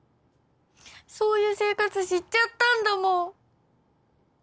そういう生活知っちゃったんだもん。